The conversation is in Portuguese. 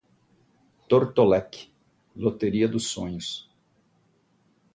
Totolec, loteria dos sonhos